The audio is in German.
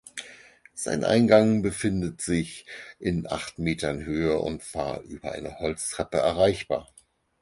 Sein Eingang befindet sich in acht Metern Höhe und war über eine Holztreppe erreichbar.